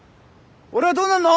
俺はどうなるの？